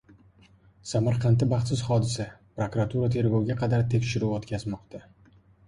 Samarqandda baxtsiz hodisa. Prokuratura tergovga qadar tekshiruv o‘tkazmoqda